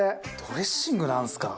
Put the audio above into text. ドレッシングなんですか？